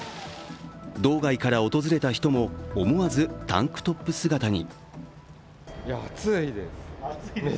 道外から訪れた人も思わずタンクトップ姿に。